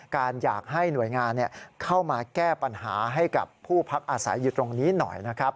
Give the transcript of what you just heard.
อยากให้หน่วยงานเข้ามาแก้ปัญหาให้กับผู้พักอาศัยอยู่ตรงนี้หน่อยนะครับ